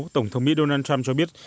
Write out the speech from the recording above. tổng thống mỹ donald trump cho biết